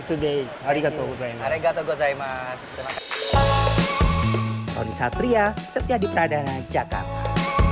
today arigatou gozaimasu arigatou gozaimasu tony satria setiap diperadana jakarta